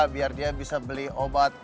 biar dia bisa beli obat